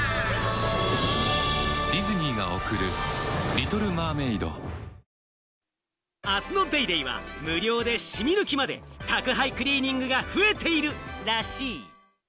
ニトリあすの『ＤａｙＤａｙ．』は、無料でシミ抜きまで、宅配クリーニングが増えているらしい。